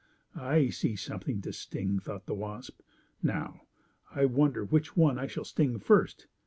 I see something to sting!" thought the wasp. "Now, I wonder which one I shall sting first?